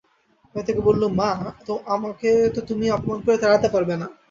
আমি তাকে বললুম, মা, আমাকে তো তুমি অপমান করে তাড়াতে পারবে না।